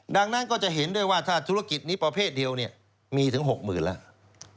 ดังนั้นก็จะเห็นด้วยว่าถ้าธุรกิจนี้ประเภทเดียวมีถึง๖๐๐๐แล้ว